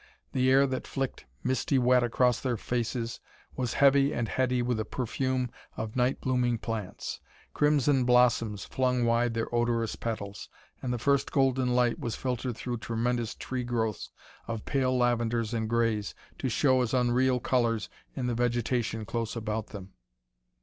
The air that flicked misty wet across their faces was heavy and heady with the perfume of night blooming plants. Crimson blossoms flung wide their odorous petals, and the first golden light was filtered through tremendous tree growths of pale lavenders and grays to show as unreal colors in the vegetation close about them.